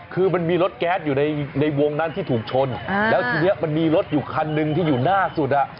คือมันมีรถแก๊สอยู่ในวงนั้นที่ถูกชนแล้วทีนี้มันมีรถอยู่คันหนึ่งที่อยู่หน้าสุดอ่ะ